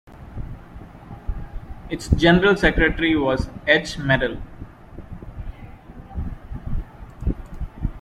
Its general secretary was H. Merel.